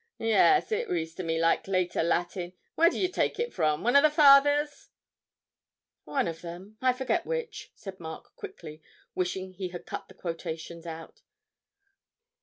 'Yes, it reads to me like later Latin; where did you take it from? One of the Fathers?' 'One of them, I forget which,' said Mark quickly, wishing he had cut the quotations out.